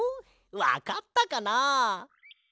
わかったかな？